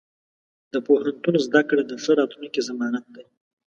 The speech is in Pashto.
د پوهنتون زده کړه د ښه راتلونکي ضمانت دی.